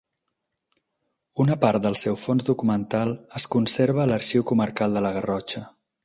Una part del seu fons documental es conserva a l’Arxiu Comarcal de la Garrotxa.